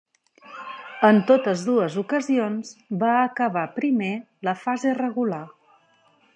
En totes dues ocasions va acabar primer la fase regular.